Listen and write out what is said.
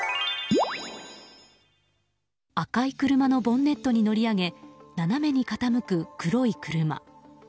赤い車のボンネットに乗り上げ斜めに傾く黒い車。